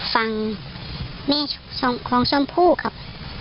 ฟังเมช่ของชมพู่ครับ